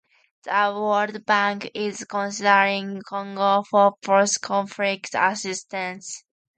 The World Bank is considering Congo for post-conflict assistance.